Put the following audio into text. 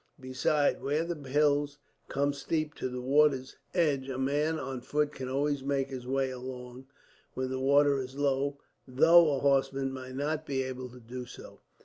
Besides, where the hills come steep to the water's edge, a man on foot can always make his way along when the water is low; though a horseman might not be able to do so."